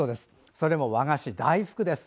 それも和菓子、大福です。